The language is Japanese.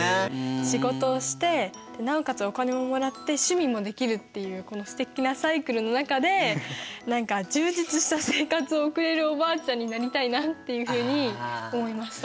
仕事をしてなおかつお金ももらって趣味もできるっていうこのすてきなサイクルの中で何か充実した生活を送れるおばあちゃんになりたいなっていうふうに思いました。